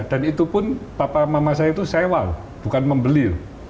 dan itu pun papa mama saya itu sewa bukan membeli